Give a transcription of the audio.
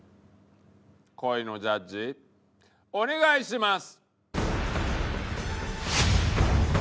恋のジャッジお願いします。